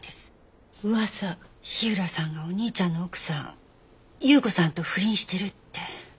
火浦さんがお兄ちゃんの奥さん有雨子さんと不倫してるって。